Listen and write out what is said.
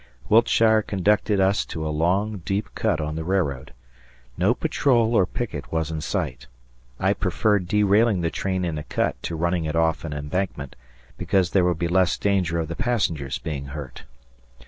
Wiltshire conducted us to a long, deep cut on the railroad. No patrol or picket was in sight. I preferred derailing the train in a cut to running it off an embankment, because there would be less danger of the passengers being hurt.